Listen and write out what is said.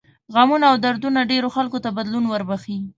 غمونه او دردونه ډېرو خلکو ته بدلون وربښي.